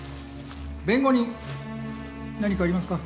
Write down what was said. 弁護人何かありますか？